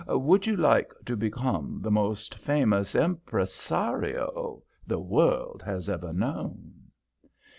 Would you like to become the most famous impresario the world has ever known?"